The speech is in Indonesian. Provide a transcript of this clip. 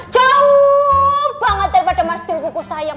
jauh banget daripada mas dulkuku sayang